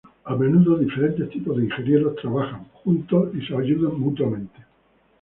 A menudo, diferentes tipos de ingenieros trabajan juntos y se ayudan mutuamente.